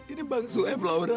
ini bang sueb laura